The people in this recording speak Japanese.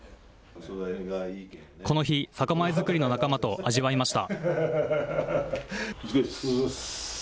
この日、酒米作りの仲間と味わいました。